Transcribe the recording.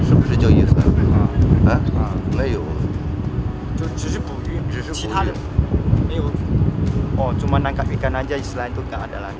oh hanya menangkap ikan saja selain itu tidak ada lagi